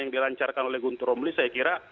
yang dilancarkan oleh guntur romli saya kira